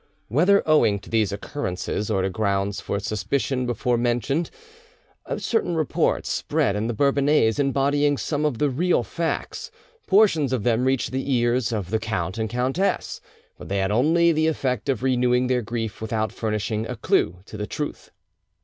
Whether owing to these occurrences, or to grounds for suspicion before mentioned, certain reports spread in the Bourbonnais embodying some of the real facts; portions of them reached the ears of the count and countess, but they had only the effect of renewing their grief without furnishing a clue to the truth.